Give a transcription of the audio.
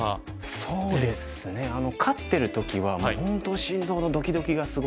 そうですね勝ってる時はもう本当心臓のドキドキがすごいですね。